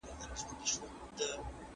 د ناروغانو پوښتنه کول لوی ثواب لري.